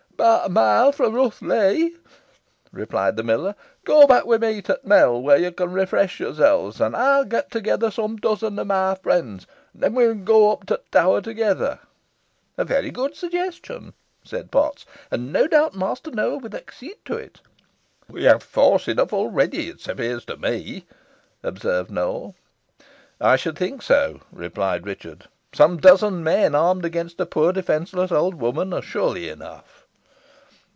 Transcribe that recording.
"About a mile fro' Rough Lee," replied the miller. "Go back wi' me to t' mill, where yo con refresh yourselves, an ey'n get together some dozen o' my friends, an then we'n aw go up to t' Tower together." "A very good suggestion," said Potts; "and no doubt Master Nowell will accede to it." "We have force enough already, it appears to me," observed Nowell. "I should think so," replied Richard. "Some dozen men, armed, against a poor defenceless old woman, are surely enough."